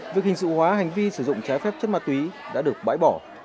việc hình sự hóa hành vi sử dụng trái phép chất ma túy đã được bãi bỏ